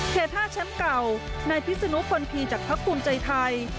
เคส๕แชมป์เก่านายพิศนุภลพีจากพักภูมิใจไทย